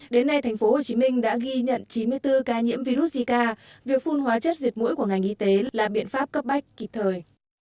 đến nay tp hcm đã ghi nhận chín mươi bốn ca nhiễm virus zika việc phun hóa chất diệt mũi của ngành y tế là biện pháp cấp bách kịp thời